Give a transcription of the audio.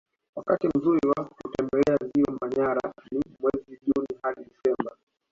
Wakati mzuri wa kutembelea ziwa manyara ni mwezi juni hadi disemba